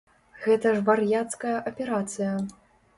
Гэта ж вар'яцкая аперацыя.